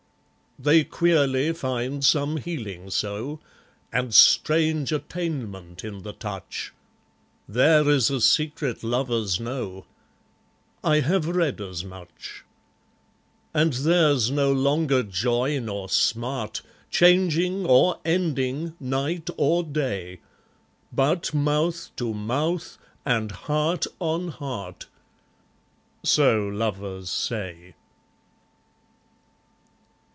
They queerly find some healing so, And strange attainment in the touch; There is a secret lovers know, I have read as much. And theirs no longer joy nor smart, Changing or ending, night or day; But mouth to mouth, and heart on heart, So lovers say.